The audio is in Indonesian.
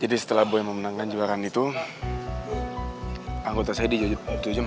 ini mungkin beliau jam enam